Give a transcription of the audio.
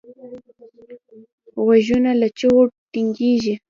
غوږونه له چغو تنګېږي